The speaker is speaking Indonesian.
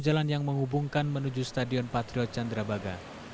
jalan yang menghubungkan menuju stadion patriot candrabaga